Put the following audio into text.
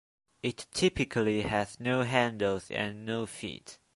It typically has no handles, and no feet.